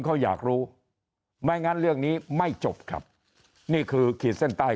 เขาอยากรู้ไม่งั้นเรื่องนี้ไม่จบครับนี่คือขีดเส้นใต้